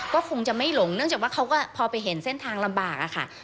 ก็คงจะไม่หลงเนื่องจากว่าเขาก็พอไปเห็นเส้นทางลำบากอะค่ะ